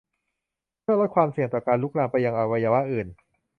เพื่อลดความเสี่ยงต่อการลุกลามไปยังอวัยวะอื่น